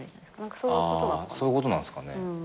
あそういうことなんすかね？